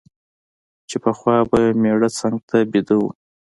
چي پخوا به یې مېړه څنګ ته ویده وو